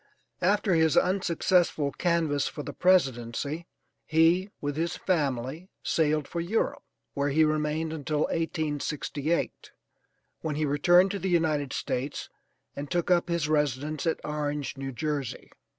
After his unsuccessful canvass for the presidency he, with his family, sailed for Europe, where he remained until 1868, when he returned to the United States and took up his residence at Orange, New Jersey.